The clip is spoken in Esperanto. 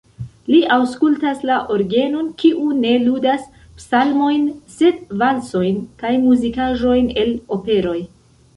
Li aŭskultas la orgenon, kiu ne ludas psalmojn, sed valsojn kaj muzikaĵojn el operoj.